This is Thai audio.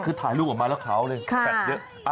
คือถ่ายรูปออกมาแล้วขาวเลยแฟทเยอะ